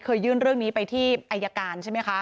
ยื่นเรื่องนี้ไปที่อายการใช่ไหมคะ